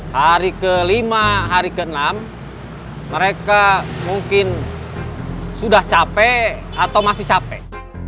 hari kelima hari ke enam mereka mungkin sudah capek atau masih capek